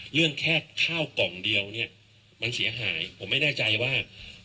เรื่องแค่ข้าวกล่องเดียวเนี่ยมันเสียหายผมไม่แน่ใจว่า